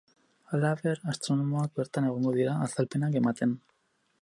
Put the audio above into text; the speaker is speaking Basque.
Halaber, astronomoak bertan egongo dira azalpenak ematen.